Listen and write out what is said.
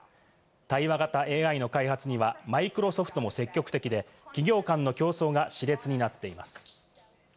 対話型ＡＩの開発にはマイクロソフトも積極的で、企業間の競争が熾烈になっています。